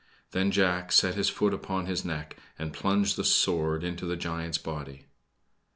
Then Jack set his foot upon his neck and plunged his sword into the giant's body.